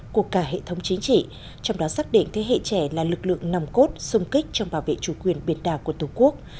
của cả hệ thống chính trị trong đó xác định thế hệ trẻ là lực lượng nòng cốt sung kích trong bảo vệ chủ quyền biển đảo của tổ quốc